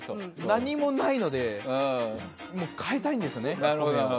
何もないので変えたいんですよね。